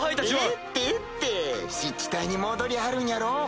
ええってええって湿地帯に戻りはるんやろ？